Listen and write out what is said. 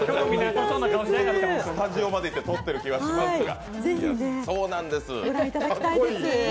スタジオまで行って撮ってる気がしますが。